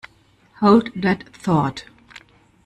Hold that thought.